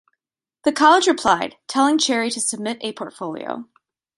The college replied, telling Cherry to submit a portfolio.